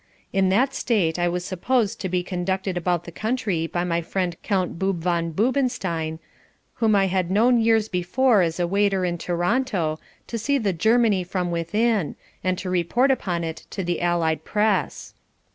In that state I was supposed to be conducted about the country by my friend Count Boob von Boobenstein, whom I had known years before as a waiter in Toronto, to see GERMANY FROM WITHIN, and to report upon it in the Allied press.